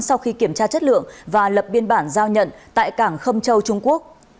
sau khi kiểm tra chất lượng và lập biên bản giao nhận tại cảng khâm châu trung quốc